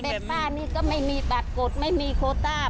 ป้านี่ก็ไม่มีบัตรกดไม่มีโคต้า